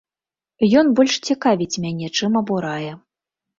Ён больш цікавіць мяне, чым абурае.